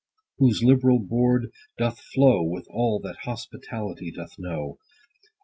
whose liberal board doth flow With all that hospitality doth know !